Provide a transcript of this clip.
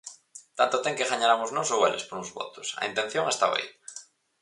Tanto ten que gañaramos nós ou eles por uns votos, a intención estaba aí.